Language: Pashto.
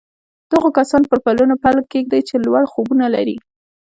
د هغو کسانو پر پلونو پل کېږدئ چې لوړ خوبونه لري